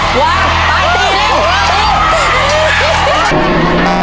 ว้าวตายตีเร็ว